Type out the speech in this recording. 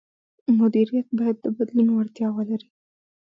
مدیریت باید د بدلون وړتیا ولري.